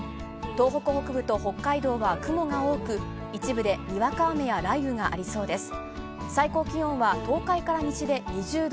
東北北部と北海道は雲が多く、一部でにわか雨や雷雨がありそうです。